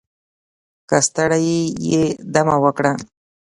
که ستړی یې دمه وکړه